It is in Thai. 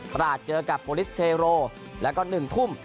ราชเจอกับโปรลิสเทโรแล้วก็๑ทุ่ม